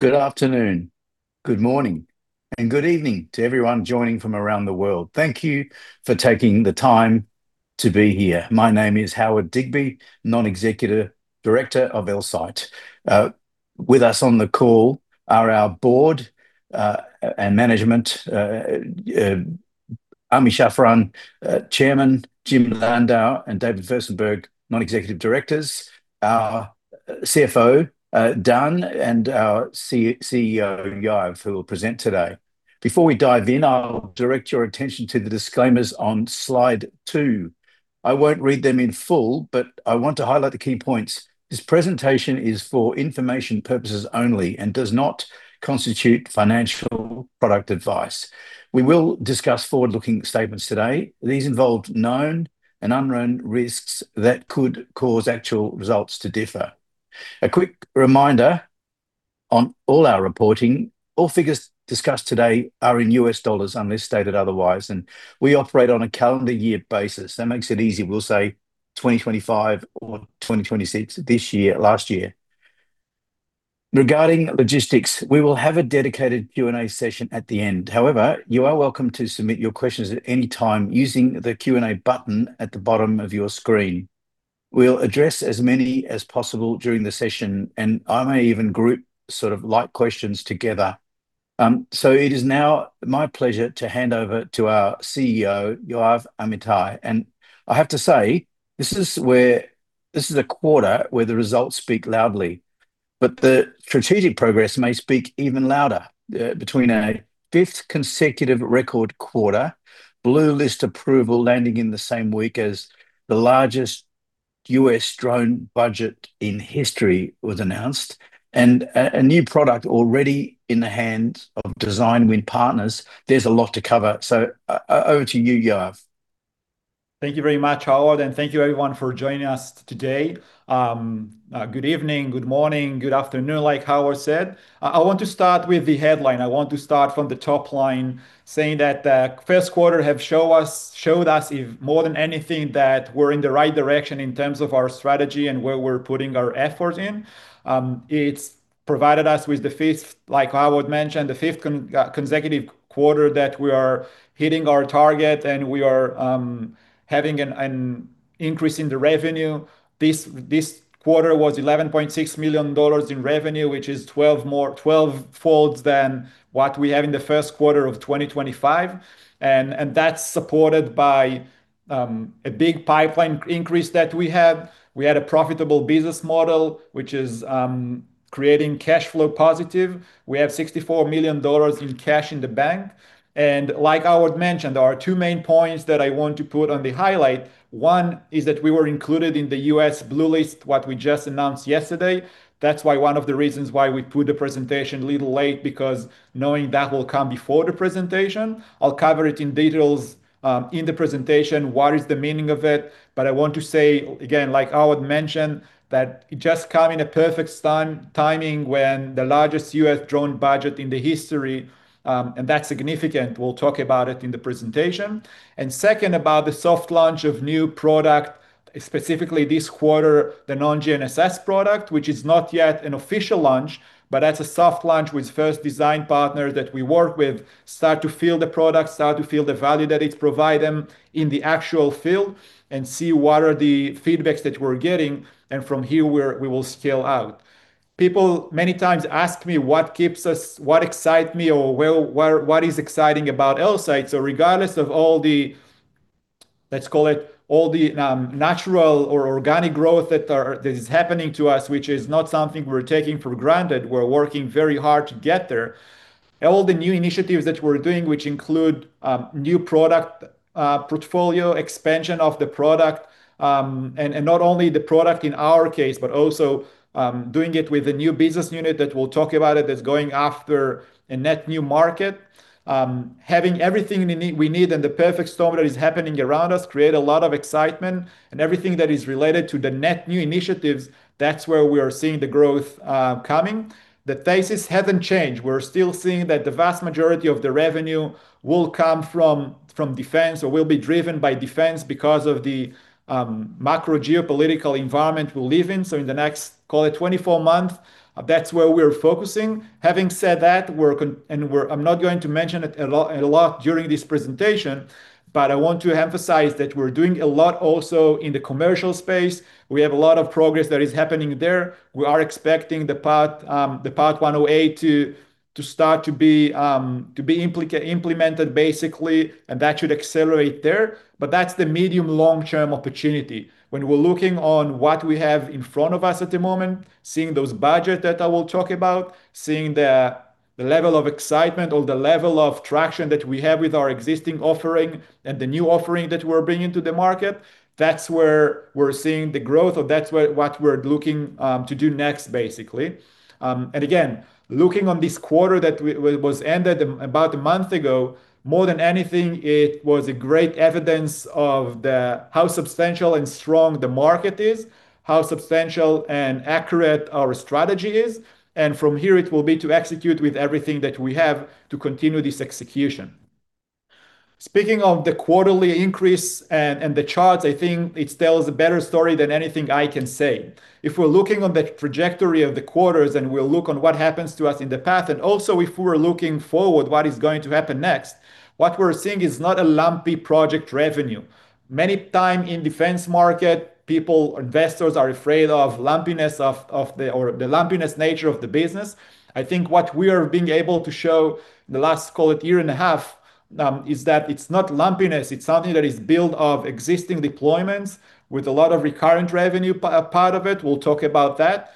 Good afternoon, good morning, and good evening to everyone joining from around the world. Thank you for taking the time to be here. My name is Howard Digby, Non-Executive Director of Elsight. With us on the call are our board and management, Ami Shafran, Chairman, Jim Landau and David Furstenberg, Non-Executive Directors. Our CFO, Dan, and our CEO Yoav, who will present today. Before we dive in, I'll direct your attention to the disclaimers on slide two. I won't read them in full, but I want to highlight the key points. This presentation is for information purposes only and does not constitute financial product advice. We will discuss forward-looking statements today. These involve known and unknown risks that could cause actual results to differ. A quick reminder on all our reporting, all figures discussed today are in US dollars unless stated otherwise, and we operate on a calendar year basis. That makes it easy. We'll say 2025 or 2026, this year, last year. Regarding logistics, we will have a dedicated Q&A session at the end. However, you are welcome to submit your questions at any time using the Q&A button at the bottom of your screen. We'll address as many as possible during the session, and I may even group sort of like questions together. It is now my pleasure to hand over to our CEO, Yoav Amitai. I have to say, this is where this is a quarter where the results speak loudly, but the strategic progress may speak even louder. Between a fifth consecutive record quarter, Blue List approval landing in the same week as the largest U.S. drone budget in history was announced, and a new product already in the hands of design win partners, there's a lot to cover. Over to you, Yoav. Thank you very much, Howard, and thank you everyone for joining us today. Good evening, good morning, good afternoon, like Howard said. I want to start with the headline. I want to start from the top line saying that the first quarter showed us if more than anything that we're in the right direction in terms of our strategy and where we're putting our effort in. It's provided us with the fifth, like Howard mentioned, the fifth consecutive quarter that we are hitting our target, and we are having an increase in the revenue. This quarter was $11.6 million in revenue, which is 12 folds than what we have in the first quarter of 2025. That's supported by a big pipeline increase that we have. We had a profitable business model, which is creating cash flow positive. We have $64 million in cash in the bank. Like Howard mentioned, there are two main points that I want to put on the highlight. One is that we were included in the U.S. Blue List, what we just announced yesterday. That's why one of the reasons why we put the presentation a little late, because knowing that will come before the presentation. I'll cover it in details, in the presentation, what is the meaning of it. I want to say, again, like Howard mentioned, that it just come in a perfect timing when the largest U.S. Drone budget in the history, and that's significant. We'll talk about it in the presentation. Second, about the soft launch of new product, specifically this quarter, the non-GNSS product, which is not yet an official launch, but that's a soft launch with first design partner that we work with, start to feel the product, start to feel the value that it provide them in the actual field, and see what are the feedbacks that we're getting, and from here we will scale out. People many times ask me what excite me or what is exciting about Elsight. Regardless of all the, let's call it, all the natural or organic growth that is happening to us which is not something we're taking for granted, we're working very hard to get there. All the new initiatives that we're doing which include new product portfolio expansion of the product, and not only the product in our case, but also doing it with a new business unit that we'll talk about it, that's going after a net new market. Having everything we need and the perfect storm that is happening around us create a lot of excitement and everything that is related to the net new initiatives, that's where we are seeing the growth coming. The faces haven't changed. We're still seeing that the vast majority of the revenue will come from defense or will be driven by defense because of the macro geopolitical environment we live in. In the next, call it, 24 months, that's where we're focusing. Having said that, I'm not going to mention it a lot during this presentation, but I want to emphasize that we're doing a lot also in the commercial space. We have a lot of progress that is happening there. We are expecting the Part 108 to start to be implemented basically, and that should accelerate there. That's the medium long-term opportunity. When we're looking on what we have in front of us at the moment, seeing those budget that I will talk about, seeing the level of excitement or the level of traction that we have with our existing offering and the new offering that we're bringing to the market, that's where we're seeing the growth or what we're looking to do next, basically. Looking on this quarter that was ended about a month ago, more than anything, it was a great evidence of the how substantial and strong the market is, how substantial and accurate our strategy is and from here, it will be to execute with everything that we have to continue this execution. Speaking of the quarterly increase and the charts, I think it tells a better story than anything I can say. If we're looking on the trajectory of the quarters, we'll look on what happens to us in the past, also if we're looking forward, what is going to happen next, what we're seeing is not a lumpy project revenue. Many time in defense market, people, investors are afraid of lumpiness of the, or the lumpiness nature of the business. I think what we are being able to show the last, call it year and a half, is that it's not lumpiness. It's something that is built of existing deployments with a lot of recurrent revenue part of it. We'll talk about that.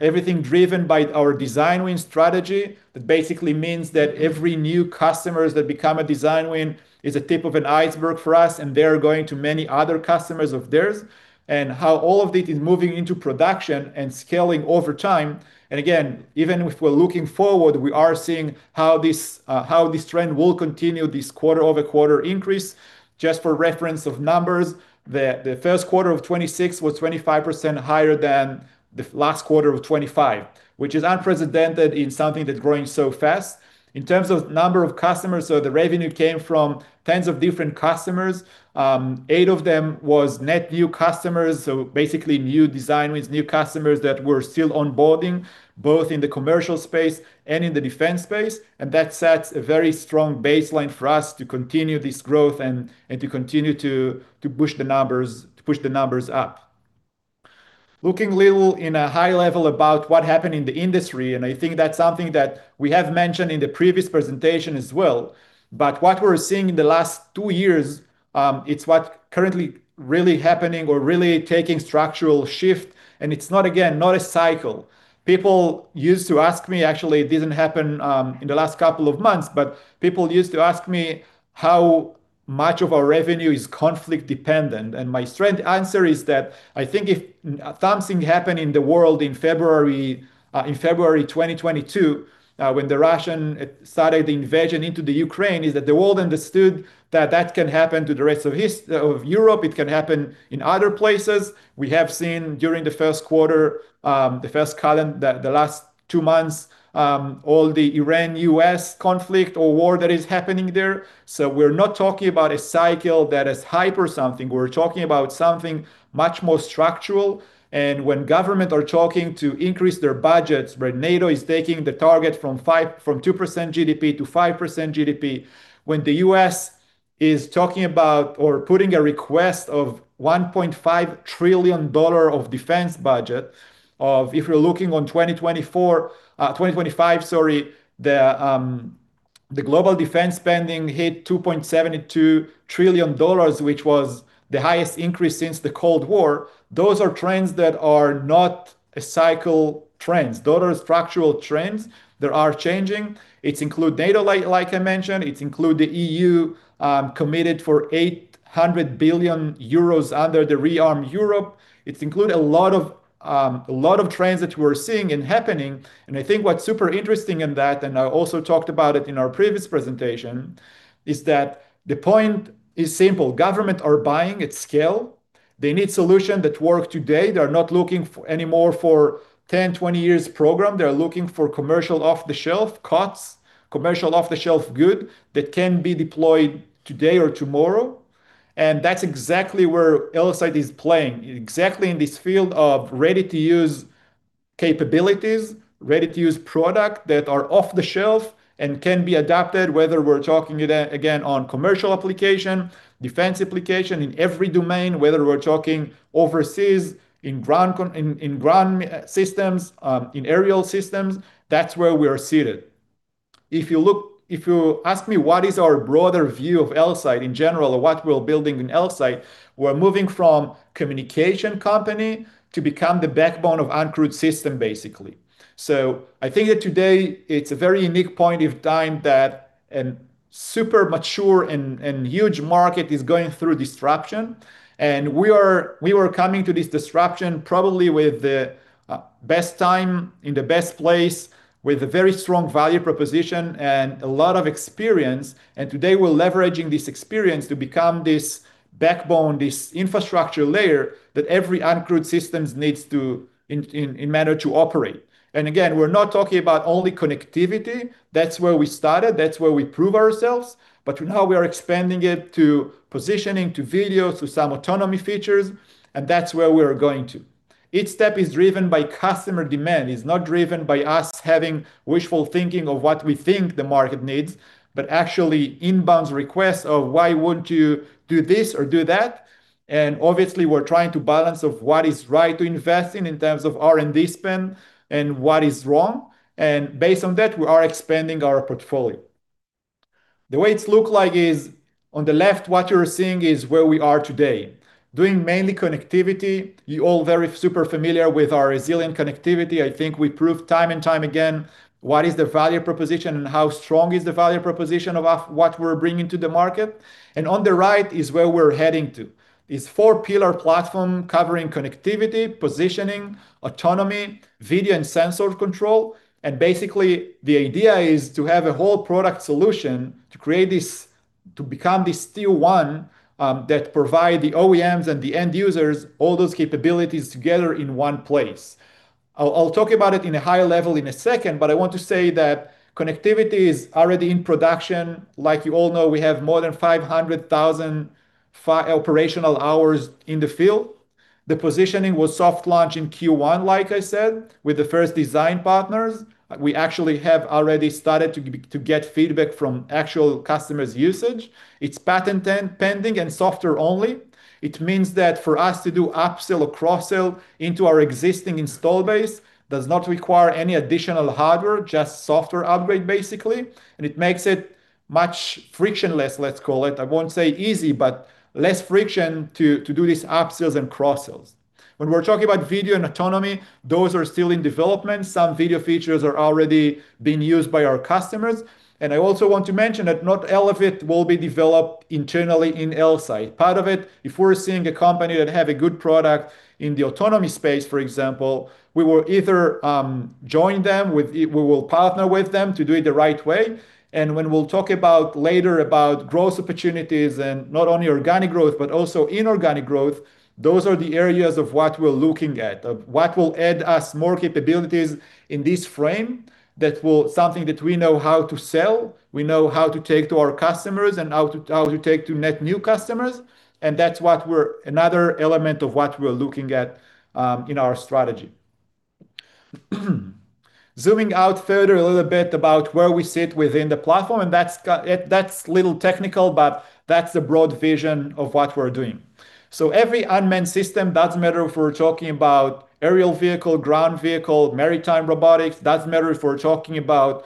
Everything driven by our Design Win strategy, that basically means that every new customers that become a Design Win is a tip of an iceberg for us, and they are going to many other customers of theirs, and how all of it is moving into production and scaling over time. Again, even if we're looking forward, we are seeing how this, how this trend will continue this quarter-over-quarter increase. Just for reference of numbers, the first quarter of 2026 was 25% higher than the last quarter of 2025, which is unprecedented in something that's growing so fast. In terms of number of customers, the revenue came from tens of different customers. Eight of them was net new customers, basically new Design Wins, new customers that we're still onboarding, both in the commercial space and in the defense space, and that sets a very strong baseline for us to continue this growth and to continue to push the numbers up. Looking little in a high level about what happened in the industry, and I think that's something that we have mentioned in the previous presentation as well. What we're seeing in the last two years, it's what currently really happening or really taking structural shift, and it's not, again, not a cycle. People used to ask me, actually, it didn't happen in the last couple of months, but people used to ask me how much of our revenue is conflict dependent. My straight answer is that I think if something happened in the world in February 2022, when the Russians started the invasion into Ukraine, is that the world understood that that can happen to the rest of Europe. It can happen in other places. We have seen during the first quarter, the last two months, all the Iran-U.S. conflict or war that is happening there. We're not talking about a cycle that is hype or something. We're talking about something much more structural. When government are talking to increase their budgets, where NATO is taking the target from 5%, from 2% GDP to 5% GDP, when the U.S. is talking about or putting a request of $1.5 trillion of defense budget, if you're looking on 2024, 2025, sorry, the global defense spending hit $2.72 trillion, which was the highest increase since the Cold War. Those are trends that are not a cycle trends. Those are structural trends that are changing. It include data, like I mentioned. It include the EU committed for 800 billion euros under the ReArm Europe. It include a lot of, a lot of trends that we're seeing and happening. I think what's super interesting in that, and I also talked about it in our previous presentation, is that the point is simple. Government are buying at scale. They need solution that work today. They are not looking for anymore for 10, 20 years program. They are looking for Commercial Off-The-Shelf COTS, Commercial Off-The-Shelf good that can be deployed today or tomorrow, and that's exactly where Elsight is playing, exactly in this field of ready-to-use capabilities, ready-to-use product that are off-the-shelf and can be adapted, whether we're talking again, on commercial application, defense application in every domain, whether we're talking overseas, in ground systems, in aerial systems. That's where we are seated. If you look, if you ask me what is our broader view of Elsight in general, or what we're building in Elsight, we're moving from communication company to become the backbone of Uncrewed system, basically. I think that today it's a very unique point of time that an super mature and huge market is going through disruption, we were coming to this disruption probably with the best time in the best place with a very strong value proposition and a lot of experience. Today, we're leveraging this experience to become this backbone, this infrastructure layer that every Uncrewed systems needs to in manner to operate. Again, we're not talking about only connectivity. That's where we started. That's where we prove ourselves. Now we are expanding it to positioning, to video, to some Autonomy features, and that's where we are going to. Each step is driven by customer demand. It's not driven by us having wishful thinking of what we think the market needs, but actually inbounds requests of, "Why wouldn't you do this or do that?" Obviously, we're trying to balance of what is right to invest in terms of R&D spend and what is wrong. Based on that, we are expanding our portfolio. The way it's look like is on the left, what you're seeing is where we are today, doing mainly connectivity. You all very super familiar with our resilient connectivity. I think we proved time and time again what is the value proposition and how strong is the value proposition of what we're bringing to the market. On the right is where we're heading to. This four-pillar platform covering Connectivity, Positioning, Autonomy, Video, and sensor control. Basically, the idea is to have a whole product solution to create this, to become this tier one that provide the OEMs and the end users all those capabilities together in one place. I'll talk about it in a high level in a second, but I want to say that connectivity is already in production. Like you all know, we have more than 500,000 operational hours in the field. The positioning was soft launch in Q1, like I said, with the first design partners. We actually have already started to get feedback from actual customers' usage. It's patent-pending and software only. It means that for us to do upsell or cross-sell into our existing install base does not require any additional hardware, just software upgrade basically. It makes it much frictionless, let's call it. I won't say easy, but less friction to do these upsells and cross-sells. When we're talking about Video and Autonomy, those are still in development. Some video features are already being used by our customers. I also want to mention that not all of it will be developed internally in Elsight. Part of it, if we're seeing a company that have a good product in the Autonomy space, for example, we will either partner with them to do it the right way, and when we'll talk about later about growth opportunities and not only organic growth, but also inorganic growth, those are the areas of what we're looking at, of what will add us more capabilities in this frame that will something that we know how to sell, we know how to take to our customers and how to take to net new customers, and that's what we're another element of what we're looking at in our strategy. Zooming out further a little bit about where we sit within the platform, that's a little technical, but that's the broad vision of what we're doing. Every unmanned system, doesn't matter if we're talking about aerial vehicle, ground vehicle, maritime robotics, doesn't matter if we're talking about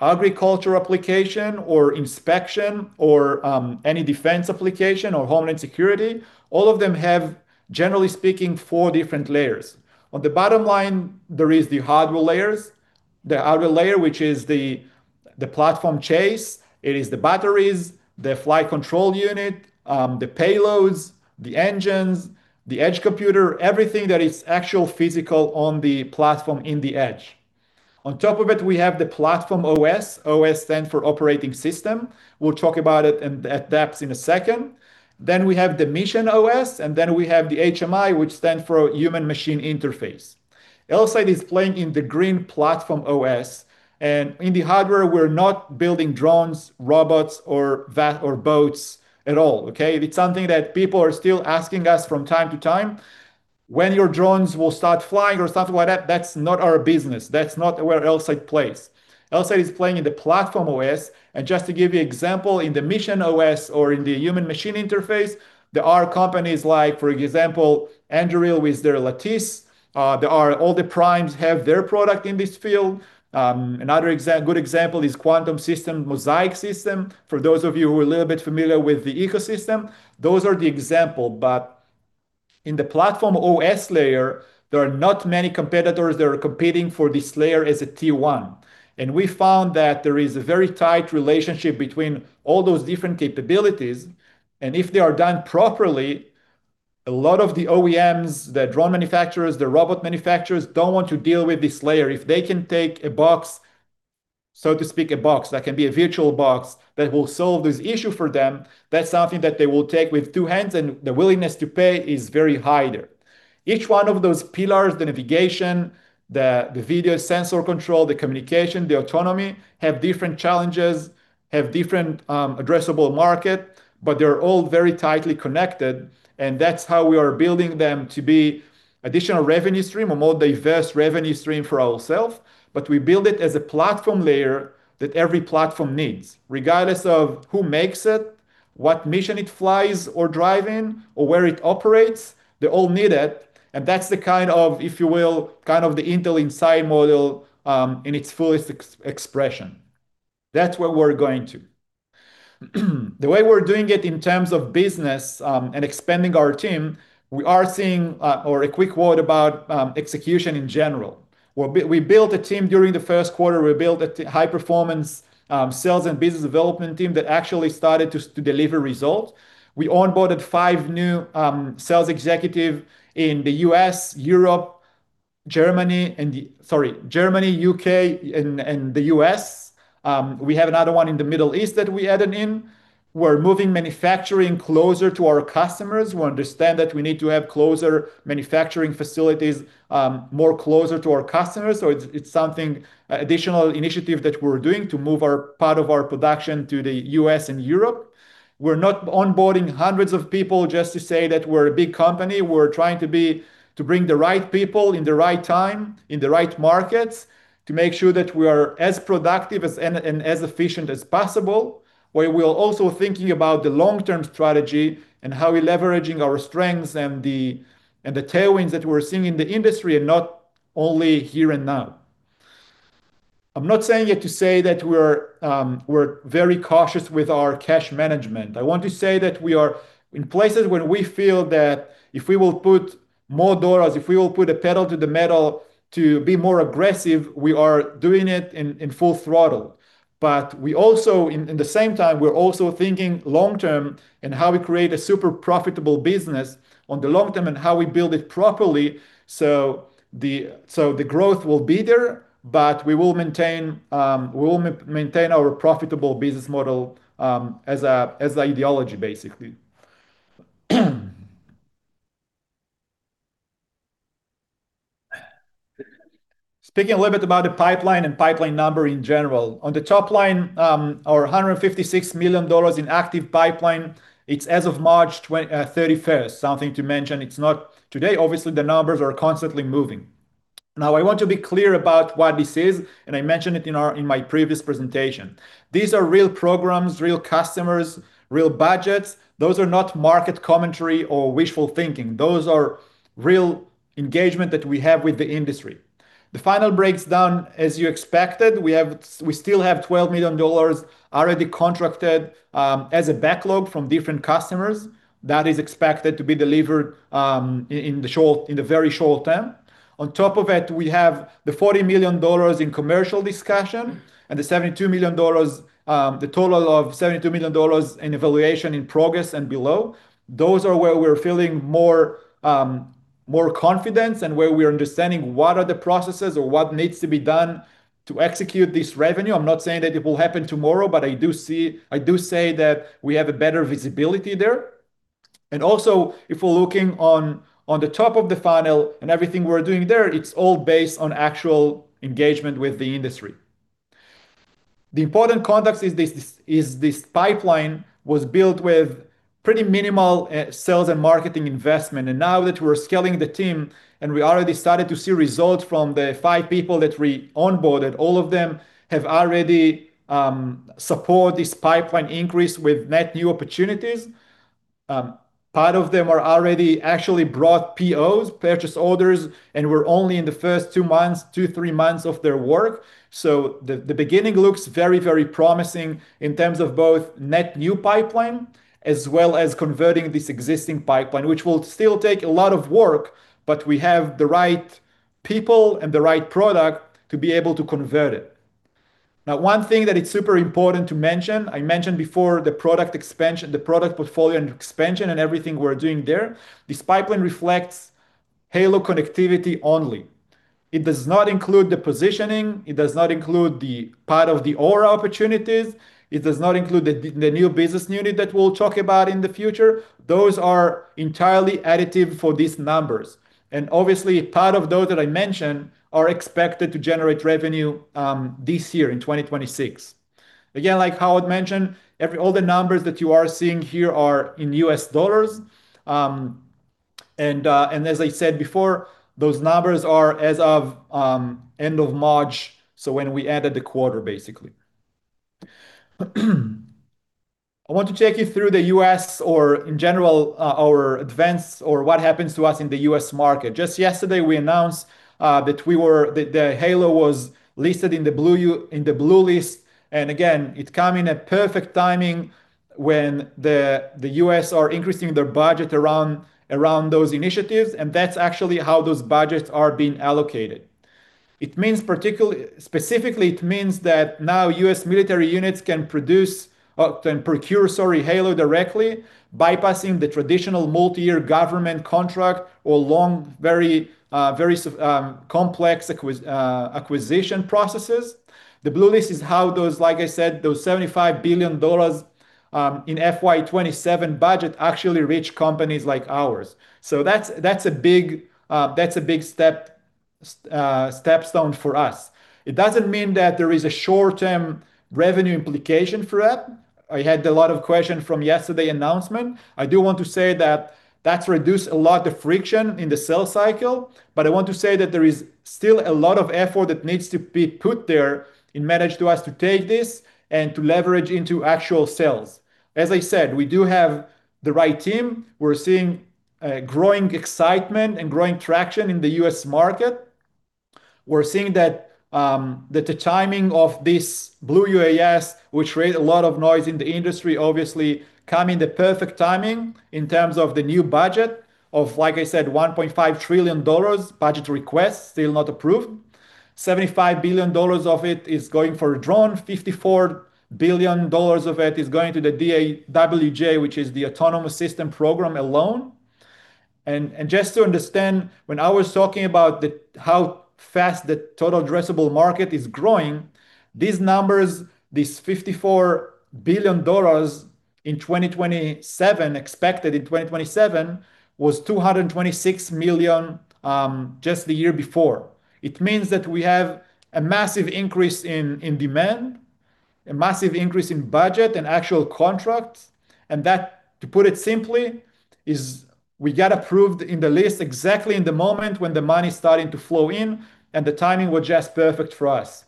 agriculture application or inspection or any defense application or homeland security, all of them have, generally speaking, four different layers. On the bottom line, there is the hardware layer, the outer layer, which is the platform chassis. It is the batteries, the flight control unit, the payloads, the engines, the edge computer, everything that is actual physical on the platform at the edge. On top of it, we have the platform OS. OS stands for Operating System. We'll talk about it at depths in a second. Then we have the mission OS, and then we have the HMI, which stands for Human-Machine Interface. Elsight is playing in the green platform OS, and in the hardware, we're not building drones, robots, or boats at all, okay? It's something that people are still asking us from time to time, "When your drones will start flying?" or something like that. That's not our business. That's not where Elsight plays. Elsight is playing in the platform OS, and just to give you example, in the mission OS or in the Human Machine Interface, there are companies like, for example, Anduril with their Lattice. There are all the primes have their product in this field. Another good example is Quantum-Systems, Mosaic systems, for those of you who are a little bit familiar with the ecosystem. Those are the example, but in the platform OS layer, there are not many competitors that are competing for this layer as a tier one. We found that there is a very tight relationship between all those different capabilities, and if they are done properly, a lot of the OEMs, the drone manufacturers, the robot manufacturers don't want to deal with this layer. If they can take a box, so to speak, a box, that can be a virtual box, that will solve this issue for them, that's something that they will take with two hands, and the willingness to pay is very high there. Each one of those pillars, the Navigation, the Video sensor control, the Communication, the Autonomy, have different challenges, have different addressable market, but they're all very tightly connected, and that's how we are building them to be additional revenue stream, a more diverse revenue stream for ourself, but we build it as a platform layer that every platform needs. Regardless of who makes it, what mission it flies or drive in, or where it operates, they all need it, and that's the kind of, if you will, kind of the Intel Inside model, in its fullest expression. That's where we're going to. The way we're doing it in terms of business, and expanding our team, we are seeing, or a quick word about execution in general. We built a team during the first quarter. We built a high performance sales and business development team that actually started to deliver results. We onboarded five new sales executive in the U.S., Europe, Germany, and, sorry, Germany, U.K., and the U.S. We have another one in the Middle East that we added in. We're moving manufacturing closer to our customers. We understand that we need to have closer manufacturing facilities, more closer to our customers, so it's something additional initiative that we're doing to move part of our production to the U.S. and Europe. We're not onboarding hundreds of people just to say that we're a big company. We're trying to be, to bring the right people in the right time, in the right markets, to make sure that we are as productive as and as efficient as possible. We, we're also thinking about the long-term strategy and how we're leveraging our strengths and the tailwinds that we're seeing in the industry and not only here and now. I'm not saying it to say that we're very cautious with our cash management. I want to say that we are in places where we feel that if we will put more dollars, if we will put a pedal to the metal to be more aggressive, we are doing it in full throttle. We also, in the same time, we're also thinking long term and how we create a super profitable business on the long term and how we build it properly so the growth will be there, but we will maintain our profitable business model as a ideology, basically. Speaking a little bit about the pipeline and pipeline number in general, on the top line, our $156 million in active pipeline, it's as of March 31st. Something to mention, it's not today. Obviously, the numbers are constantly moving. I want to be clear about what this is, I mentioned it in my previous presentation. These are real programs, real customers, real budgets. Those are not market commentary or wishful thinking. Those are real engagement that we have with the industry. The final breakdown, as you expected, we still have $12 million already contracted as a backlog from different customers. That is expected to be delivered in the very short term. On top of it, we have the $40 million in commercial discussion and the $72 million, the total of $72 million in evaluation in progress and below. Those are where we're feeling more confidence and where we're understanding what are the processes or what needs to be done to execute this revenue. I'm not saying that it will happen tomorrow, but I do say that we have a better visibility there. Also, if we're looking on the top of the funnel and everything we're doing there, it's all based on actual engagement with the industry. The important context is this pipeline was built with pretty minimal sales and marketing investment. Now that we're scaling the team, and we already started to see results from the five people that we onboarded, all of them have already support this pipeline increase with net new opportunities. Part of them are already actually brought POs, Purchase Orders, and we're only in the first two months, two, three months of their work. The beginning looks very, very promising in terms of both net new pipeline as well as converting this existing pipeline, which will still take a lot of work, but we have the right people and the right product to be able to convert it. One thing that it's super important to mention, I mentioned before the product expansion, the product portfolio and expansion and everything we're doing there, this pipeline reflects Halo connectivity only. It does not include the positioning, it does not include the part of the Aura opportunities, it does not include the new business unit that we'll talk about in the future. Those are entirely additive for these numbers. Obviously, part of those that I mentioned are expected to generate revenue this year in 2026. Again, like Howard mentioned, every, all the numbers that you are seeing here are in US dollars. As I said before, those numbers are as of end of March, so when we added the quarter, basically. I want to take you through the U.S. or in general, our advance or what happens to us in the U.S. market. Just yesterday, we announced that the Halo was listed in the Blue U, in the Blue List. Again, it come in a perfect timing when the U.S. are increasing their budget around those initiatives, and that's actually how those budgets are being allocated. It means specifically, it means that now U.S. military units can produce or can procure, sorry, Halo directly, bypassing the traditional multi-year government contract or long, very complex acquisition processes. The Blue List is how those, like I said, those $75 billion in FY 2027 budget actually reach companies like ours. That's a big step stone for us. It doesn't mean that there is a short-term revenue implication for it. I had a lot of question from yesterday announcement. I do want to say that that's reduced a lot of friction in the sales cycle, I want to say that there is still a lot of effort that needs to be put there in manage to us to take this and to leverage into actual sales. As I said, we do have the right team. We're seeing growing excitement and growing traction in the U.S. market. We're seeing that the timing of this Blue UAS, which raised a lot of noise in the industry, obviously come in the perfect timing in terms of the new budget of, like I said, $1.5 trillion budget request, still not approved. $75 billion of it is going for drone. $54 billion of it is going to the DA-WJ, which is the Autonomous System Program alone. Just to understand, when I was talking about how fast the total addressable market is growing, these numbers, this $54 billion in 2027, expected in 2027, was $226 million just the year before. It means that we have a massive increase in demand, a massive increase in budget and actual contracts. That, to put it simply, is we got approved in the list exactly in the moment when the money's starting to flow in, and the timing was just perfect for us.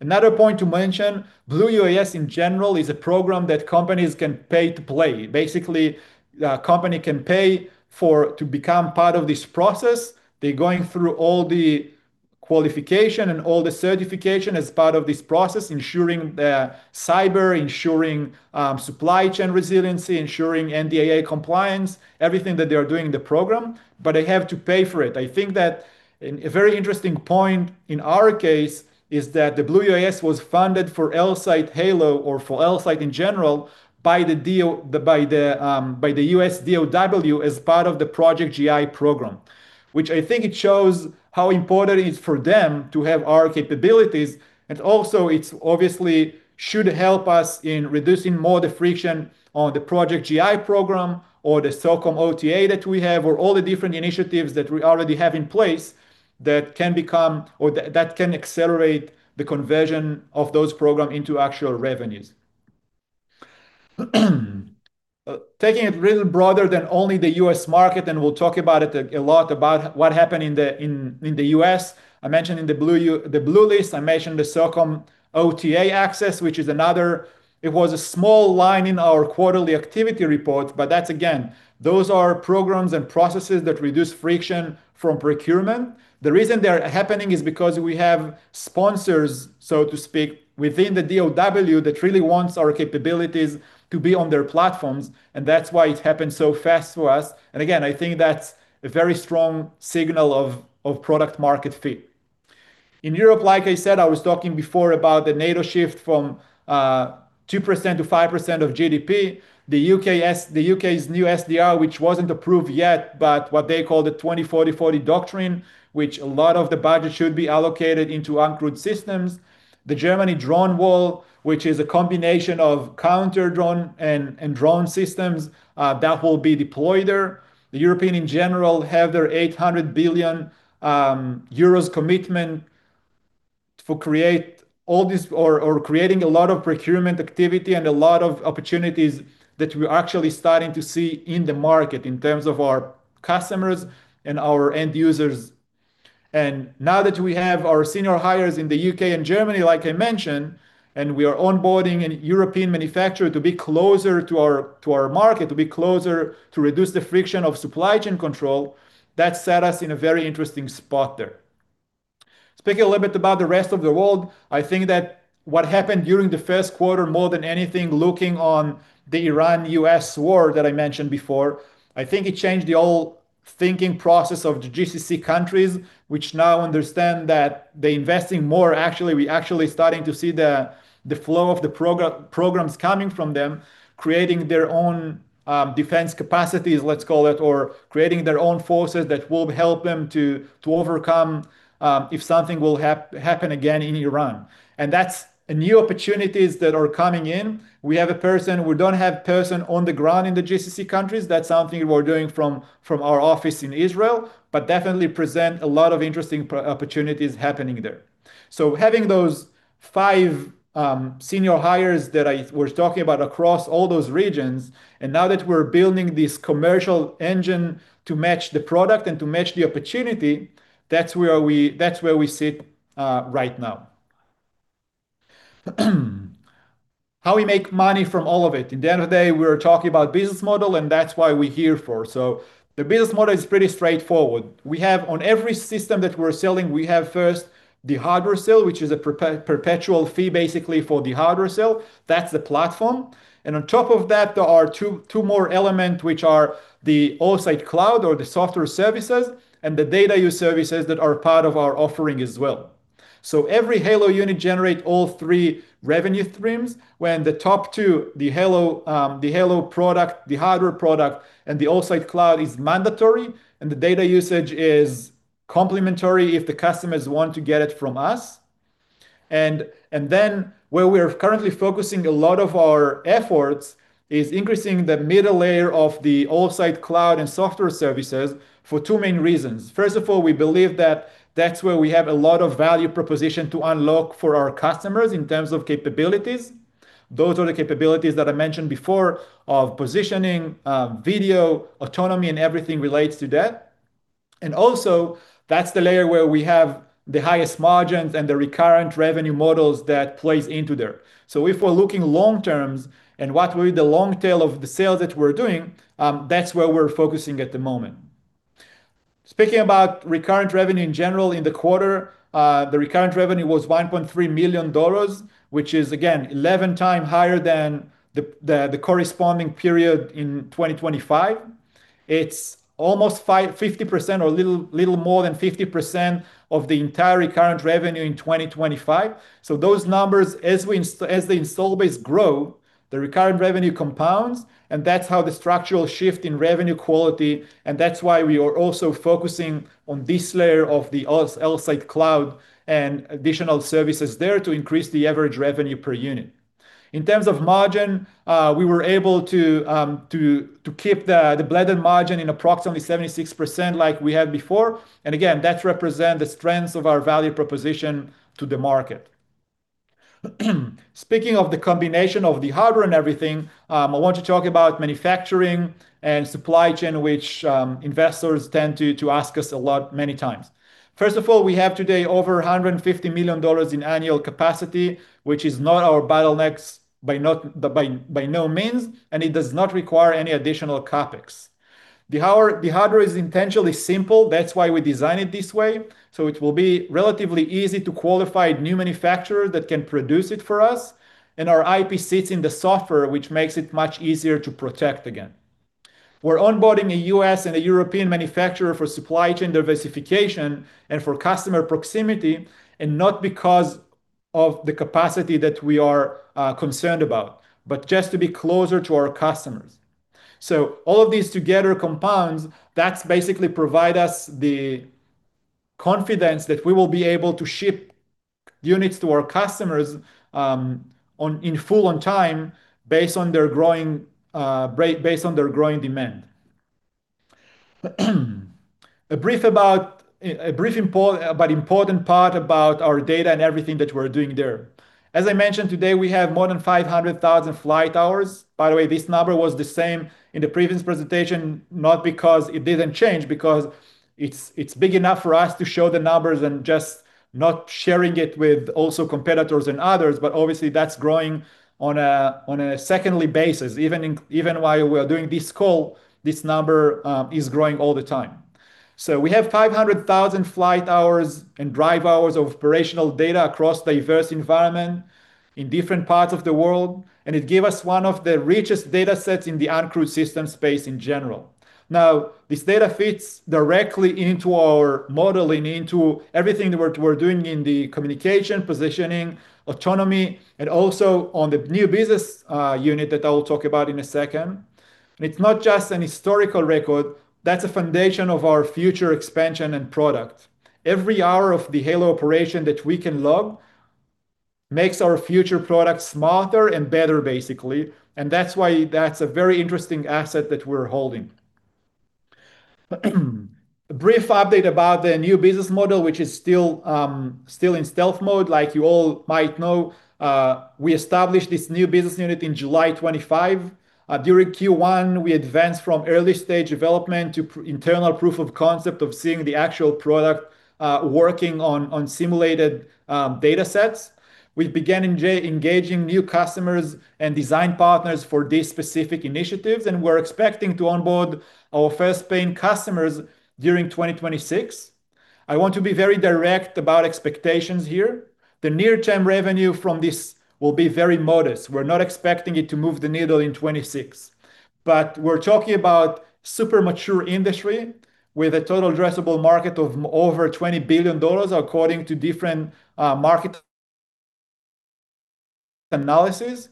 Another point to mention, Blue UAS in general is a program that companies can pay to play. Basically, the company can pay to become part of this process. They're going through all the qualification and all the certification as part of this process, ensuring the cyber, ensuring supply chain resiliency, ensuring NDAA compliance, everything that they are doing in the program, but they have to pay for it. I think that a very interesting point in our case is that the Blue UAS was funded for Elsight Halo or for Elsight in general by the U.S. DoD as part of the Project G.I. program, which I think it shows how important it's for them to have our capabilities, and also it's obviously should help us in reducing more the friction on the Project G.I. program or the SOCOM OTA that we have, or all the different initiatives that we already have in place that can become or that can accelerate the conversion of those program into actual revenues. Taking it real broader than only the U.S. market, and we'll talk about it a lot about what happened in the U.S. I mentioned in the Blue UAS Cleared List, I mentioned the SOCOM OTA access, which is another. It was a small line in our quarterly activity report, that's again, those are programs and processes that reduce friction from procurement. The reason they are happening is because we have sponsors, so to speak, within the DoD that really wants our capabilities to be on their platforms, that's why it happened so fast for us. Again, I think that's a very strong signal of Product Market Fit. In Europe, like I said, I was talking before about the NATO shift from 2% to 5% of GDP. The U.K.'s new SDR, which wasn't approved yet, what they call the 2040 doctrine, which a lot of the budget should be allocated into Uncrewed systems. The Germany drone wall, which is a combination of counter-drone and drone systems, that will be deployed there. The European in general have their 800 billion euros commitment to create all this or creating a lot of procurement activity and a lot of opportunities that we're actually starting to see in the market in terms of our customers and our end users. Now that we have our senior hires in the U.K. and Germany, like I mentioned, and we are onboarding an European manufacturer to be closer to our market, to be closer to reduce the friction of supply chain control, that set us in a very interesting spot there. Speaking a little bit about the rest of the world, I think that what happened during the first quarter more than anything looking on the Iran-U.S. war that I mentioned before, I think it changed the whole thinking process of the GCC countries, which now understand that they investing more. Actually, we actually starting to see the flow of the programs coming from them, creating their own defense capacities, let's call it, or creating their own forces that will help them to overcome if something will happen again in Iran. That's a new opportunities that are coming in. We don't have person on the ground in the GCC countries. That's something we're doing from our office in Israel, but definitely present a lot of interesting opportunities happening there. Having those five senior hires that I was talking about across all those regions, and now that we're building this commercial engine to match the product and to match the opportunity, that's where we sit right now. How we make money from all of it? At the end of the day, we're talking about business model, and that's why we're here for. The business model is pretty straightforward. We have on every system that we're selling, we have first the hardware sale, which is a perpetual fee basically for the hardware sale. That's the platform. On top of that, there are two more element, which are the AllSight Cloud or the software services and the data use services that are part of our offering as well. Every Halo unit generate all three revenue streams, when the top two, the Halo, the Halo product, the hardware product, and the AllSight Cloud is mandatory, and the data usage is complimentary if the customers want to get it from us. Where we're currently focusing a lot of our efforts is increasing the middle layer of the AllSight Cloud and software services for two main reasons. First of all, we believe that that's where we have a lot of value proposition to unlock for our customers in terms of capabilities. Those are the capabilities that I mentioned before of positioning, Video, Autonomy, and everything relates to that. Also, that's the layer where we have the highest margins and the recurrent revenue models that plays into there. If we're looking long term and what will be the long tail of the sales that we're doing, that's where we're focusing at the moment. Speaking about recurrent revenue in general in the quarter, the recurrent revenue was $1.3 million, which is again 11 times higher than the corresponding period in 2025. It's almost 50% or little more than 50% of the entire recurrent revenue in 2025. Those numbers, as the install base grow, the recurrent revenue compounds, and that's how the structural shift in revenue quality, and that's why we are also focusing on this layer of the AllSight Cloud and additional services there to increase the average revenue per unit. In terms of margin, we were able to keep the blended margin in approximately 76% like we had before. Again, that represent the strengths of our value proposition to the market. Speaking of the combination of the hardware and everything, I want to talk about manufacturing and supply chain, which investors tend to ask us a lot many times. First of all, we have today over $150 million in annual capacity, which is not our bottleneck by no means, and it does not require any additional CapEx. The hardware is intentionally simple. That's why we design it this way, so it will be relatively easy to qualify new manufacturer that can produce it for us. Our IP sits in the software, which makes it much easier to protect again. We're onboarding a U.S. and a European manufacturer for supply chain diversification and for customer proximity, not because of the capacity that we are concerned about, but just to be closer to our customers. All of these together compounds, that's basically provide us the confidence that we will be able to ship units to our customers, on, in full on time based on their growing, based on their growing demand. A brief about important part about our data and everything that we're doing there. As I mentioned today, we have more than 500,000 flight hours. By the way, this number was the same in the previous presentation, not because it didn't change, because it's big enough for us to show the numbers and just not sharing it with also competitors and others, obviously that's growing on a, on a secondly basis. Even in, even while we're doing this call, this number is growing all the time. We have 500,000 flight hours and drive hours of operational data across diverse environment in different parts of the world, and it gave us one of the richest data sets in the Uncrewed system space in general. This data fits directly into our modeling, into everything that we're doing in the Communication, Positioning, Autonomy, and also on the new business unit that I will talk about in a second. It's not just an historical record, that's a foundation of our future expansion and product. Every hour of the Halo operation that we can log makes our future product smarter and better, basically, and that's why that's a very interesting asset that we're holding. A brief update about the new business model, which is still in stealth mode. Like you all might know, we established this new business unit in July 2025. During Q1, we advanced from early-stage development to internal Proof-of-Concept of seeing the actual product working on simulated data sets. We began engaging new customers and design partners for these specific initiatives, and we're expecting to onboard our first paying customers during 2026. I want to be very direct about expectations here. The near-term revenue from this will be very modest. We're not expecting it to move the needle in 2026. We're talking about super mature industry with a total addressable market of over $20 billion, according to different market analysis.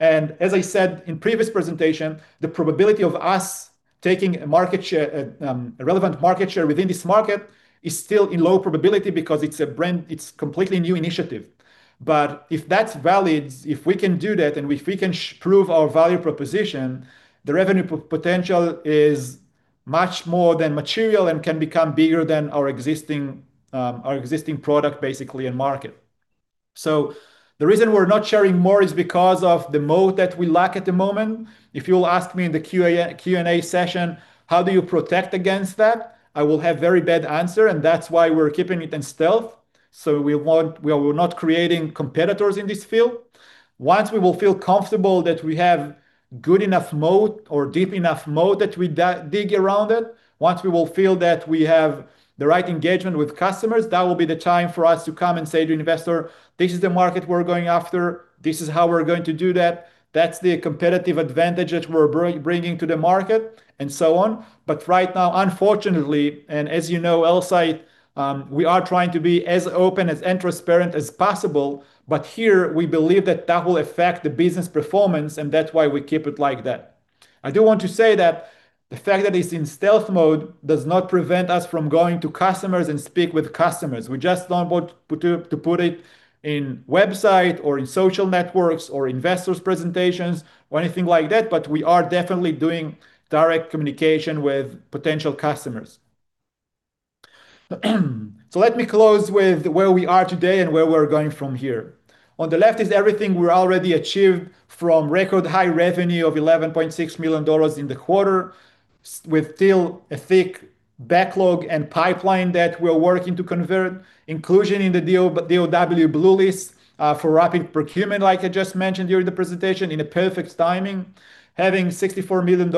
As I said in previous presentation, the probability of us taking a market share, a relevant market share within this market is still in low probability because it's a brand, it's completely new initiative. If that's valid, if we can do that and if we can prove our value proposition, the revenue potential is much more than material and can become bigger than our existing, our existing product basically and market. The reason we're not sharing more is because of the moat that we lack at the moment. If you'll ask me in the Q&A session how do you protect against that, I will have very bad answer. That's why we're keeping it in stealth. We are not creating competitors in this field. Once we will feel comfortable that we have good enough moat or deep enough moat that we dig around it, once we will feel that we have the right engagement with customers, that will be the time for us to come and say to investor, "This is the market we're going after. This is how we're going to do that. That's the competitive advantage that we're bringing to the market, and so on.'' Right now, unfortunately, and as you know, Elsight, we are trying to be as open, as transparent as possible, but here we believe that that will affect the business performance, and that's why we keep it like that. I do want to say that the fact that it's in stealth mode does not prevent us from going to customers and speak with customers. We just don't want to put it in website or in social networks or investors presentations or anything like that, but we are definitely doing direct communication with potential customers. Let me close with where we are today and where we're going from here. On the left is everything we're already achieved from record high revenue of $11.6 million in the quarter with still a thick backlog and pipeline that we're working to convert, inclusion in the DoD Blue List for rapid procurement, like I just mentioned during the presentation, in a perfect timing. Having $64 million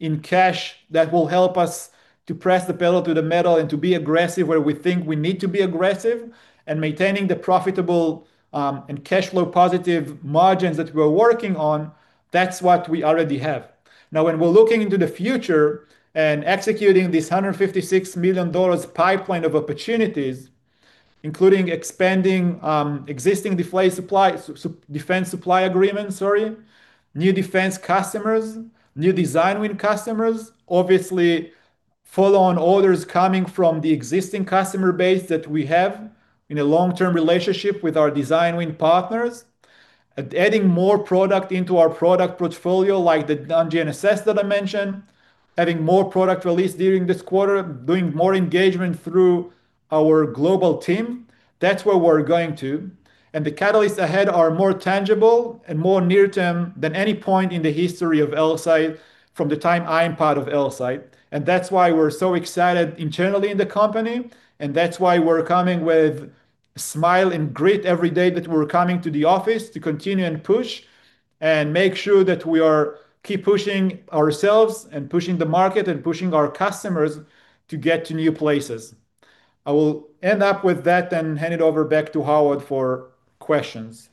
in cash, that will help us to press the pedal to the metal and to be aggressive where we think we need to be aggressive, and maintaining the profitable and cash flow positive margins that we're working on, that's what we already have. Now, when we're looking into the future and executing this $156 million pipeline of opportunities, including expanding, existing defense supply, defense supply agreement, sorry, new defense customers, new Design Win customers, obviously follow on orders coming from the existing customer base that we have in a long-term relationship with our Design Win partners. Adding more product into our product portfolio like the GNSS that I mentioned, having more product release during this quarter, doing more engagement through our global team, that's where we're going to. The catalysts ahead are more tangible and more near-term than any point in the history of Elsight from the time I'm part of Elsight. That's why we're so excited internally in the company. That's why we're coming with smile and grit every day that we're coming to the office to continue and push and make sure that we are keep pushing ourselves and pushing the market and pushing our customers to get to new places. I will end up with that and hand it over back to Howard for questions.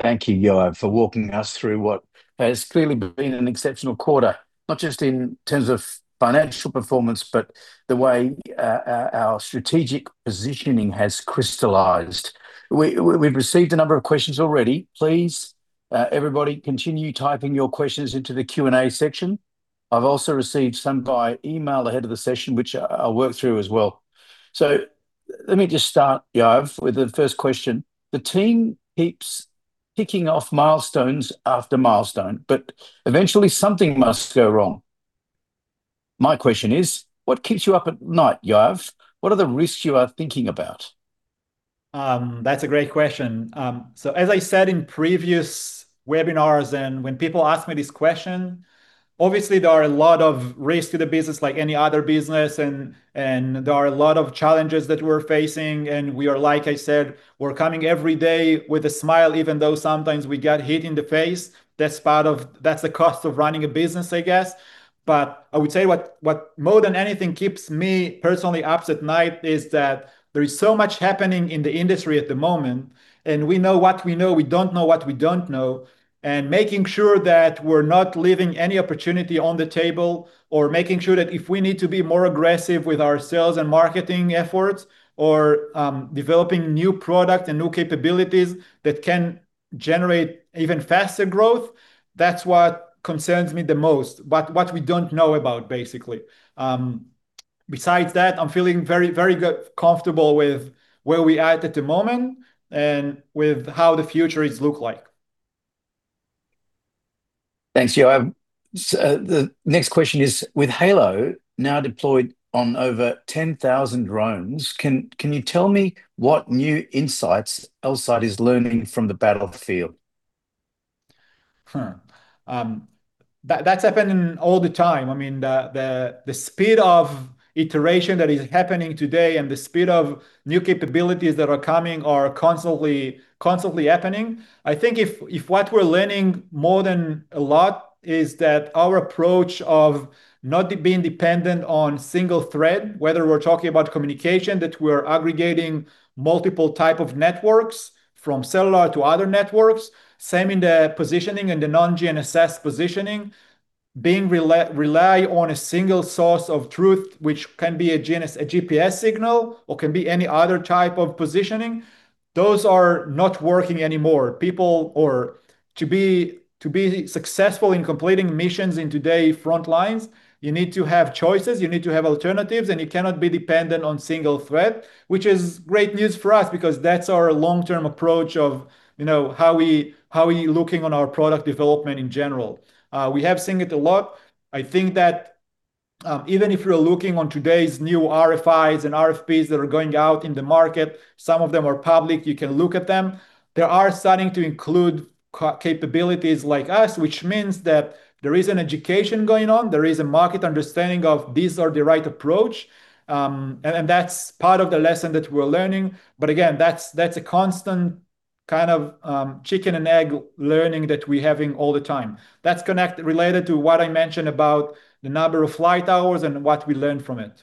Thank you, Yoav, for walking us through what has clearly been an exceptional quarter, not just in terms of financial performance, but the way our strategic positioning has crystallized. We've received a number of questions already. Please everybody continue typing your questions into the Q&A section. I've also received some via email ahead of the session, which I'll work through as well. Let me just start, Yoav, with the first question. The team keeps ticking off milestones after milestone, but eventually something must go wrong. My question is, what keeps you up at night, Yoav? What are the risks you are thinking about? That's a great question. As I said in previous webinars and when people ask me this question, obviously there are a lot of risk to the business like any other business and there are a lot of challenges that we're facing, and we are, like I said, we're coming every day with a smile even though sometimes we got hit in the face. That's part of the cost of running a business, I guess. I would say what more than anything keeps me personally up at night is that there is so much happening in the industry at the moment, and we know what we know, we don't know what we don't know. Making sure that we're not leaving any opportunity on the table or making sure that if we need to be more aggressive with our sales and marketing efforts or, developing new product and new capabilities that can generate even faster growth, that's what concerns me the most. What we don't know about, basically. Besides that, I'm feeling very, very good, comfortable with where we at at the moment and with how the future is look like. Thanks, Yoav. The next question is, with Halo now deployed on over 10,000 drones, can you tell me what new insights Elsight is learning from the battlefield? That's happening all the time. I mean, the speed of iteration that is happening today and the speed of new capabilities that are coming are constantly happening. I think if what we're learning more than a lot is that our approach of not being dependent on single thread, whether we're talking about communication, that we're aggregating multiple type of networks from cellular to other networks. Same in the positioning and the non-GNSS positioning, rely on a single source of truth, which can be a GPS signal or can be any other type of positioning, those are not working anymore. To be successful in completing missions in today's front lines, you need to have choices, you need to have alternatives, and you cannot be dependent on single thread, which is great news for us because that's our long-term approach of, you know, how we looking on our product development in general. We have seen it a lot. I think that, even if you're looking on today's new RFIs and RFPs that are going out in the market, some of them are public, you can look at them. They are starting to include capabilities like us, which means that there is an education going on. There is a market understanding of this are the right approach. That's part of the lesson that we're learning. Again, that's a constant kind of chicken and egg learning that we're having all the time. That's related to what I mentioned about the number of flight hours and what we learned from it.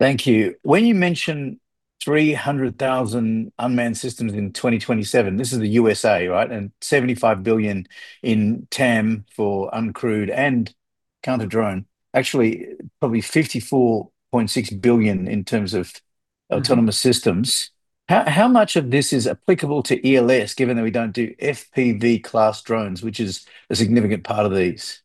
Thank you. When you mention 300,000 Unmanned systems in 2027, this is the USA, right? $75 billion in TAM for Uncrewed and counter drone. Actually, probably $54.6 billion in terms of Autonomous systems. How much of this is applicable to Elsight, given that we don't do FPV class drones, which is a significant part of these?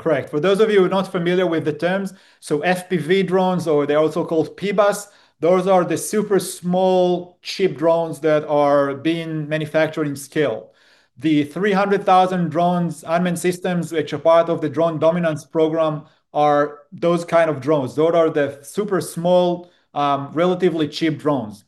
For those of you who are not familiar with the terms, FPV drones, or they're also called PBAS, those are the super small, cheap drones that are being manufactured in scale. The 300,000 drones Unmanned systems, which are part of the Drone Dominance Program, are those kind of drones. Those are the super small, relatively cheap drones.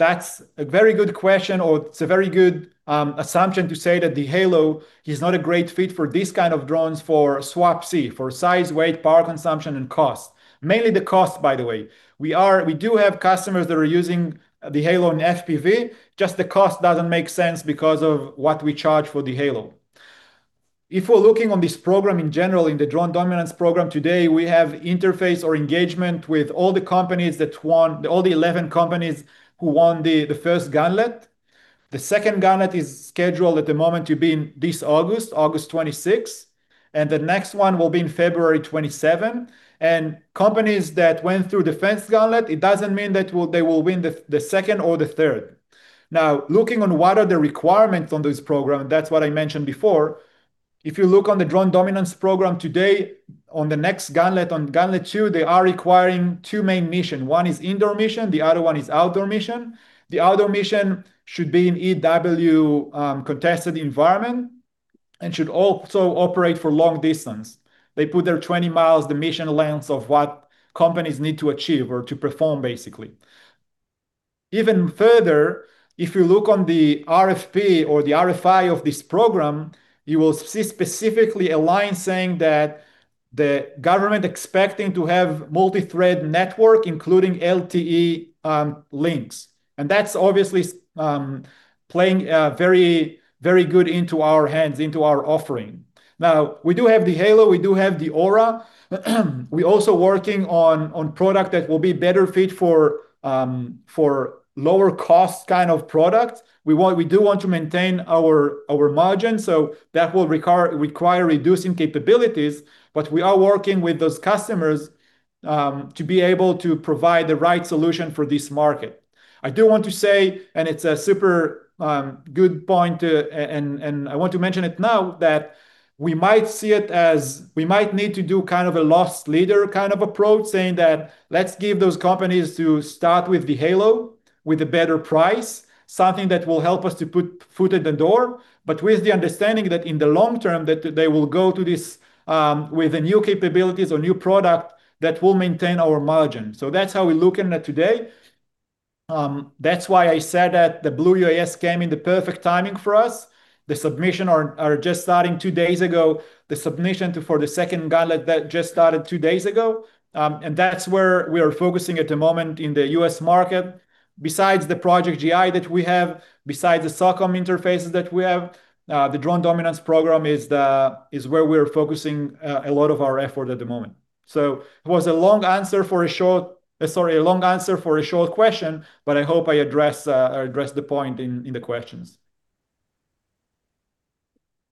That's a very good question or it's a very good assumption to say that the Halo is not a great fit for these kind of drones for SWaP-C, for Size, Weight, Power consumption, and Cost. Mainly the cost, by the way. We do have customers that are using the Halo and FPV, just the cost doesn't make sense because of what we charge for the Halo. If we're looking on this program in general, in the Drone Dominance Program today, we have interface or engagement with all the companies that won, all the 11 companies who won the first Gauntlet. The second Gauntlet is scheduled at the moment to be in this August 26th, and the next one will be in February 27. Companies that went through the first Gauntlet, it doesn't mean they will win the second or the third. Looking on what are the requirements on this program, that's what I mentioned before. If you look on the Drone Dominance Program today, on the next Gauntlet, on Gauntlet two, they are requiring two main mission. One is indoor mission, the other one is outdoor mission. The outdoor mission should be an EW contested environment and should also operate for long distance. They put their 20 miles, the mission length of what companies need to achieve or to perform, basically. Even further, if you look on the RFP or the RFI of this program, you will see specifically a line saying that the government expecting to have multi-thread network, including LTE links. That's obviously playing very, very good into our hands, into our offering. Now, we do have the Halo, we do have the Aura. We also working on product that will be better fit for lower cost kind of product. We do want to maintain our margin, that will require reducing capabilities. We are working with those customers to be able to provide the right solution for this market. I do want to say. I want to mention it now that we might see it as we might need to do kind of a loss leader kind of approach, saying that let's give those companies to start with the Halo with a better price, something that will help us to put foot in the door, but with the understanding that in the long term that they will go to this with the new capabilities or new product that will maintain our margin. That's how we're looking at today. That's why I said that the Blue UAS came in the perfect timing for us. The submission are just starting two days ago, the submission for the second Gauntlet that just started two days ago. That's where we are focusing at the moment in the U.S. market. Besides the Project G.I. that we have, besides the SOCOM interfaces that we have, the Drone Dominance Program is the, is where we're focusing a lot of our effort at the moment. It was a long answer for a short question, but I hope I address or address the point in the questions.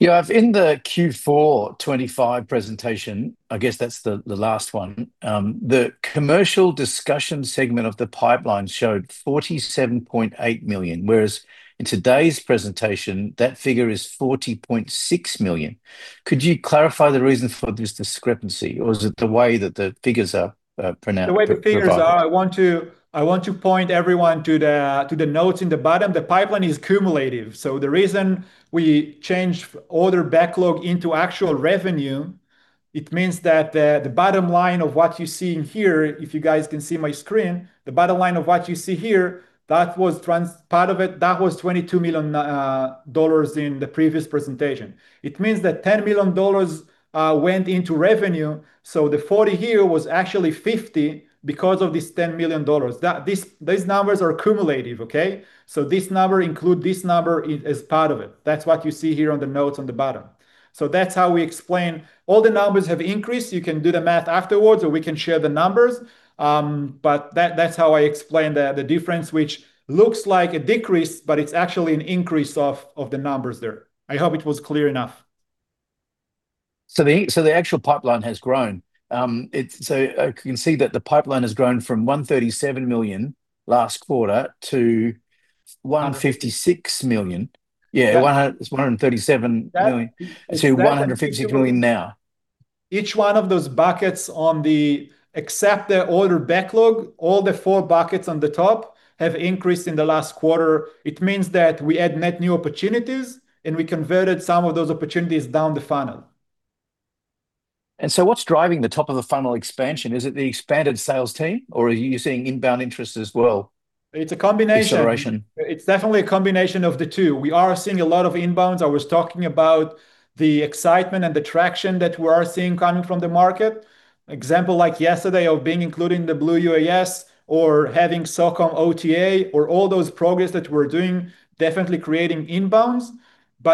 In the Q4 2025 presentation, I guess that's the last one, the commercial discussion segment of the pipeline showed $47.8 million, whereas in today's presentation, that figure is $40.6 million. Could you clarify the reason for this discrepancy? Is it the way that the figures are pronounced, provided? The way the figures are, I want to point everyone to the notes in the bottom. The pipeline is cumulative. The reason we changed order backlog into actual revenue, it means that the bottom line of what you see in here, if you guys can see my screen, the bottom line of what you see here, part of it, that was $22 million in the previous presentation. It means that $10 million went into revenue, so the 40 here was actually 50 because of this $10 million. These numbers are cumulative, okay? This number include this number in, as part of it. That's what you see here on the notes on the bottom. That's how we explain all the numbers have increased. You can do the math afterwards, or we can share the numbers. That's how I explain the difference, which looks like a decrease, but it's actually an increase of the numbers there. I hope it was clear enough. The actual pipeline has grown. You can see that the pipeline has grown from $137 million last quarter to $156 million. Yeah. It's $137 million to $150 million now? Each one of those buckets, except the order backlog, all the four buckets on the top have increased in the last quarter. It means that we had net new opportunities, and we converted some of those opportunities down the funnel. What's driving the top of the funnel expansion? Is it the expanded sales team, or are you seeing inbound interest as well? It's a combination. [Acceleration]. It's definitely a combination of the two. We are seeing a lot of inbounds. I was talking about the excitement and the traction that we are seeing coming from the market. Example, like yesterday of being included in the Blue UAS or having SOCOM OTA or all those progress that we're doing, definitely creating inbounds.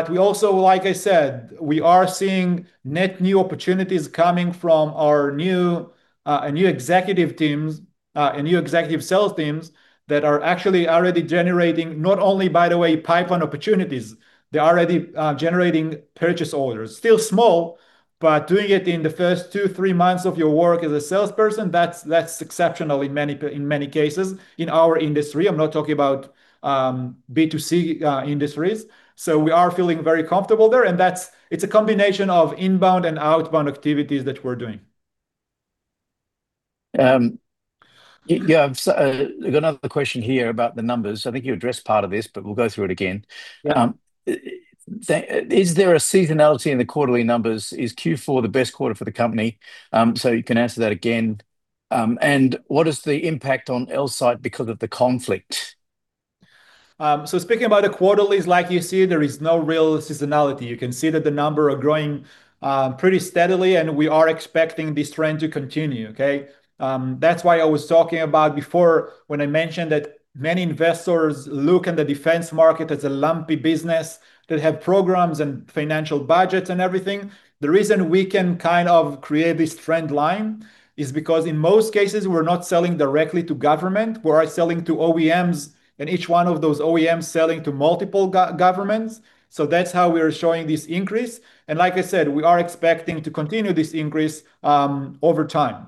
We also, like I said, we are seeing net new opportunities coming from our new, a new executive teams, a new executive sales teams that are actually already generating not only, by the way, pipeline opportunities. They're already generating Purchase Orders. Still small, but doing it in the first two, three months of your work as a salesperson, that's exceptional in many cases in our industry. I'm not talking about B2C industries. We are feeling very comfortable there, and that's, it's a combination of inbound and outbound activities that we're doing. Yeah. I've got another question here about the numbers. I think you addressed part of this, but we'll go through it again. Yeah. Is there a seasonality in the quarterly numbers? Is Q4 the best quarter for the company? You can answer that again. What is the impact on Elsight because of the conflict? So speaking about the quarterlies, like you see, there is no real seasonality. You can see that the number are growing pretty steadily, and we are expecting this trend to continue, okay? That's why I was talking about before when I mentioned that many investors look at the defense market as a lumpy business that have programs and financial budgets and everything. The reason we can kind of create this trend line is because in most cases, we're not selling directly to government. We are selling to OEMs, and each one of those OEMs selling to multiple governments. That's how we are showing this increase. Like I said, we are expecting to continue this increase over time.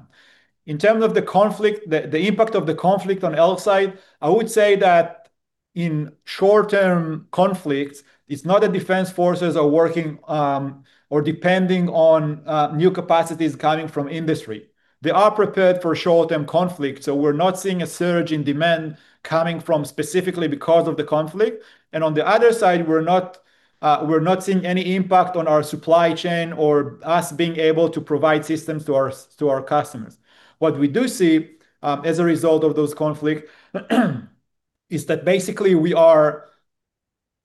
In terms of the conflict, the impact of the conflict on Elsight, I would say that in short-term conflicts, it's not that defense forces are working, or depending on new capacities coming from industry. They are prepared for short-term conflict. We're not seeing a surge in demand coming from specifically because of the conflict. On the other side, we're not seeing any impact on our supply chain or us being able to provide systems to our customers. What we do see, as a result of those conflict, is that basically we are,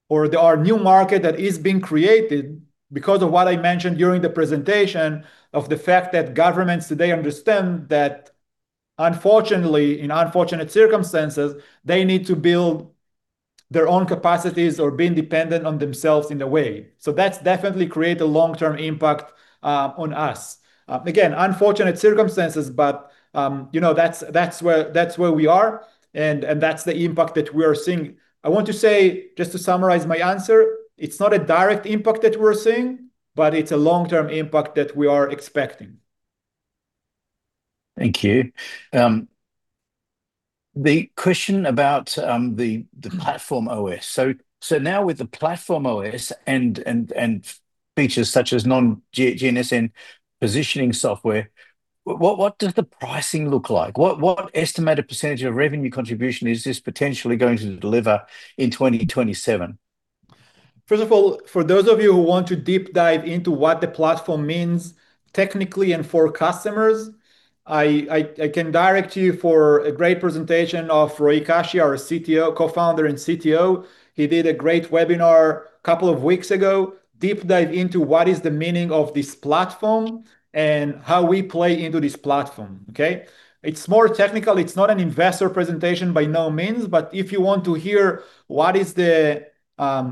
or there are new market that is being created because of what I mentioned during the presentation of the fact that governments today understand that unfortunately, in unfortunate circumstances, they need to build their own capacities or being dependent on themselves in a way. That's definitely create a long-term impact, on us. Again, unfortunate circumstances, but, you know, that's where we are. That's the impact that we are seeing. I want to say, just to summarize my answer, it's not a direct impact that we're seeing, but it's a long-term impact that we are expecting. Thank you. The question about the platform OS. Now with the platform OS and features such as non-GNSS positioning software, what does the pricing look like? What estimated percent of revenue contribution is this potentially going to deliver in 2027? First of all, for those of you who want to deep dive into what the platform means technically and for customers, I can direct you for a great presentation of Roee Kashi, our Co-Founder and CTO. He did a great webinar a couple of weeks ago, deep dive into what is the meaning of this platform and how we play into this platform. Okay. It's more technical. It's not an investor presentation by no means, but if you want to hear what is the.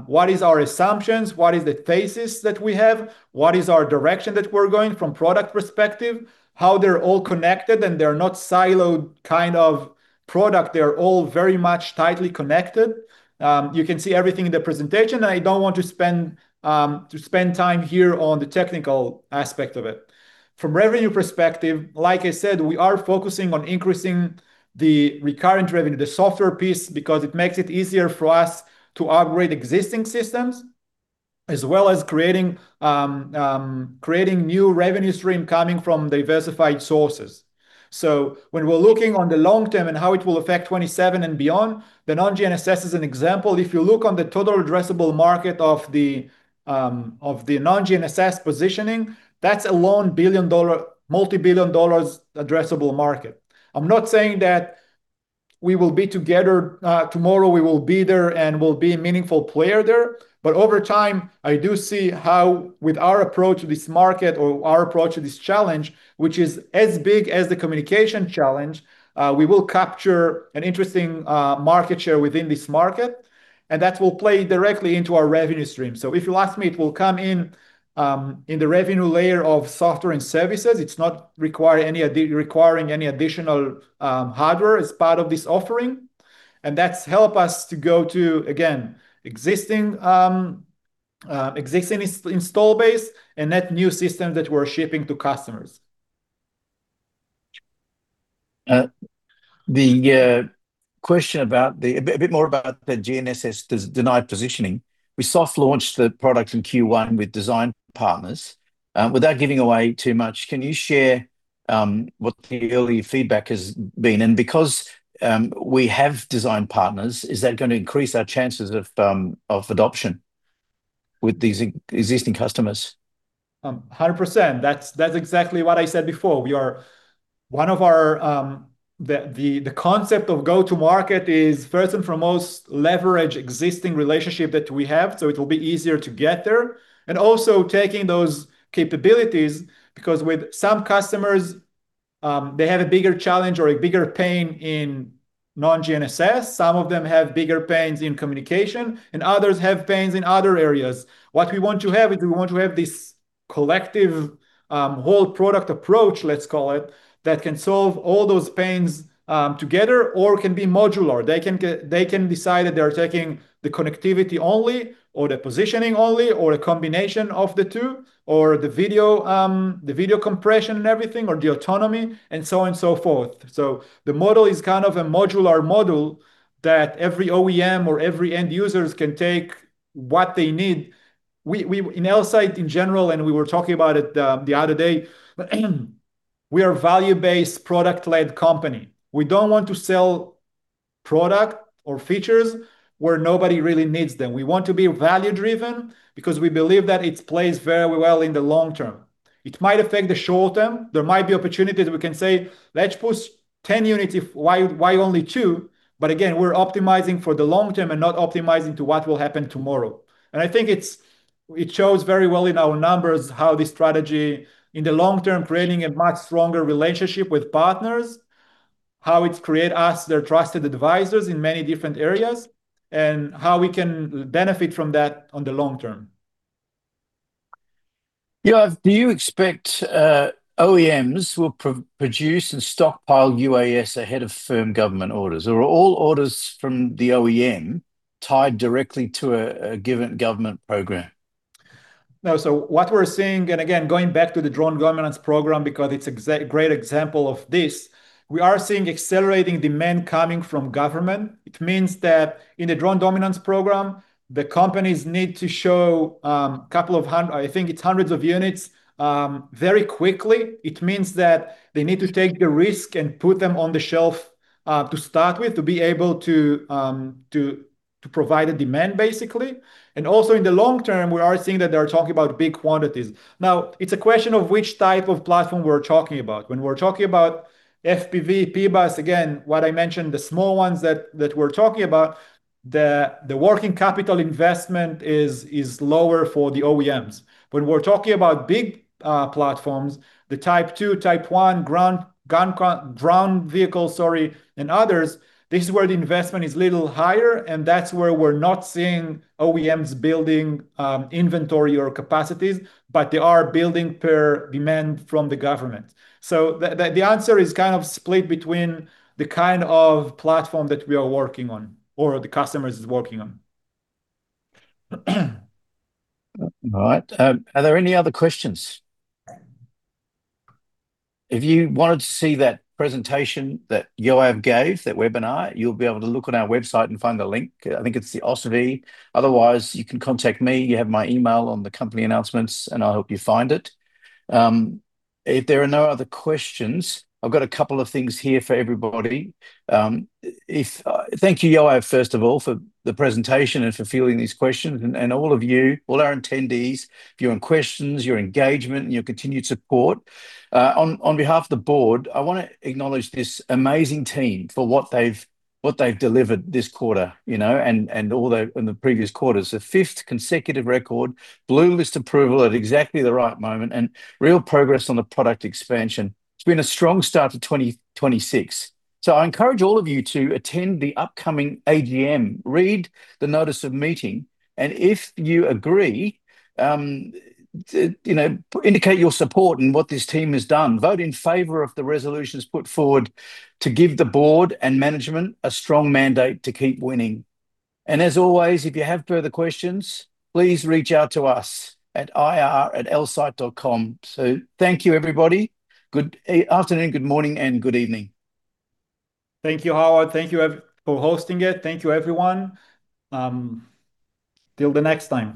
What is our assumptions, what is the thesis that we have, what is our direction that we're going from product perspective, how they're all connected and they're not siloed kind of product, they're all very much tightly connected, you can see everything in the presentation, I don't want to spend to spend time here on the technical aspect of it. From revenue perspective, like I said, we are focusing on increasing the recurrent revenue, the software piece, because it makes it easier for us to upgrade existing systems as well as creating new revenue stream coming from diversified sources. When we're looking on the long term and how it will affect 2027 and beyond, the non-GNSS is an example. If you look on the total addressable market of the non-GNSS positioning, that's a $1 billion, a multi-billion dollars addressable market. I'm not saying that we will be together, tomorrow we will be there and we'll be a meaningful player there, but over time, I do see how with our approach to this market or our approach to this challenge, which is as big as the communication challenge, we will capture an interesting, market share within this market, and that will play directly into our revenue stream. If you ask me, it will come in the revenue layer of software and services. It's not requiring any additional, hardware as part of this offering, and that's help us to go to, again, existing install base and that new system that we're shipping to customers. The question about the GNSS-denied positioning. We soft launched the product in Q1 with design partners. Without giving away too much, can you share what the early feedback has been because we have design partners, is that gonna increase our chances of adoption with these existing customers? 100%. That's exactly what I said before. One of our the concept of go to market is first and foremost leverage existing relationship that we have, so it will be easier to get there, and also taking those capabilities because with some customers, they have a bigger challenge or a bigger pain in non-GNSS. Some of them have bigger pains in communication, and others have pains in other areas. What we want to have is we want to have this collective whole product approach, let's call it, that can solve all those pains together or can be modular. They can decide that they are taking the Connectivity only or the Positioning only or a combination of the two, or the Video, the video compression and everything, or the Autonomy, and so on and so forth. The model is kind of a modular model that every OEM or every end users can take what they need. We in Elsight in general, and we were talking about it the other day, but we are value-based product-led company. We don't want to sell product or features where nobody really needs them. We want to be value driven because we believe that it plays very well in the long term. It might affect the short term. There might be opportunities we can say, "Let's push 10 units." Why only two? Again, we're optimizing for the long term and not optimizing to what will happen tomorrow. I think it shows very well in our numbers how this strategy in the long term creating a much stronger relationship with partners, how it create us their trusted advisors in many different areas, and how we can benefit from that on the long term. Yoav, do you expect OEMs will produce and stockpile UAS ahead of firm government orders, or are all orders from the OEM tied directly to a given government program? What we're seeing, and again, going back to the Drone Dominance Program because it's a great example of this, we are seeing accelerating demand coming from government. It means that in the Drone Dominance Program, the companies need to show hundreds of units very quickly. It means that they need to take the risk and put them on the shelf to start with to be able to provide the demand basically. Also in the long term we are seeing that they are talking about big quantities. It's a question of which type of platform we're talking about. When we're talking about FPV, PBAS, again, what I mentioned, the small ones that we're talking about, the working capital investment is lower for the OEMs. When we're talking about big platforms, the Type 2, Type 1, ground, gun, Ground Vehicle, sorry, and others, this is where the investment is a little higher and that's where we're not seeing OEMs building inventory or capacities, but they are building per demand from the government. The, the answer is kind of split between the kind of platform that we are working on or the customers is working on. All right. Are there any other questions? If you wanted to see that presentation that Yoav gave, that webinar, you'll be able to look on our website and find the link. I think it's the Osvy. Otherwise, you can contact me. You have my email on the company announcements, and I'll help you find it. If there are no other questions, I've got a couple of things here for everybody. Thank you, Yoav, first of all for the presentation and for fielding these questions and all of you, all our attendees, your own questions, your engagement, and your continued support. On behalf of the board, I wanna acknowledge this amazing team for what they've delivered this quarter, you know, and all the, in the previous quarters. A fifth consecutive record, Blue List approval at exactly the right moment, and real progress on the product expansion. It's been a strong start to 2026. I encourage all of you to attend the upcoming AGM. Read the notice of meeting, and if you agree, you know, to indicate your support in what this team has done. Vote in favor of the resolutions put forward to give the board and management a strong mandate to keep winning. As always, if you have further questions, please reach out to us at ir@elsight.com. Thank you, everybody. Good afternoon, good morning, and good evening. Thank you, Howard. Thank you for hosting it. Thank you, everyone. Till the next time.